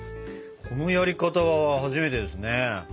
このやり方は初めてですね。